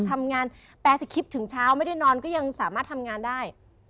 ทำงานแปรสคริปถึงเช้าไม่ได้นอนก็ยังสามารถทำงานได้